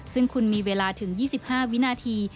ซึ่งคุณมีเวลาถึง๒๕วินาที